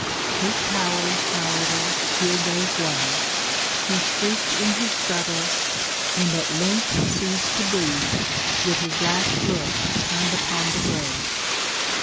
His powers, however, here gave way; he shrieked in his struggles, and at length ceased to breathe, with his last look turned upon the grave."